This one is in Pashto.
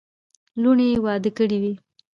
لوڼي یې واده کړې وې.